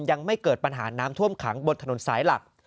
ยังไม่เกิดปัญหาน้ำท่วมขังบนถนนสายหลัก